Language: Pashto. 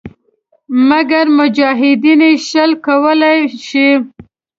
مګر مجاهدین یې شل کولای شي.